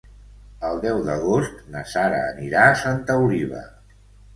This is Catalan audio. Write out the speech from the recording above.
El deu d'agost na Sara anirà a Santa Oliva.